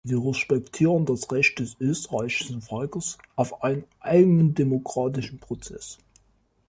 Wir respektieren das Recht des österreichischen Volkes auf einen eigenen demokratischen Prozess.